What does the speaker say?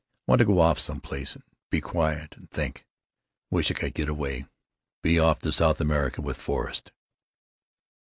Want to go off some place and be quiet and think. Wish I could get away, be off to South America with Forrest.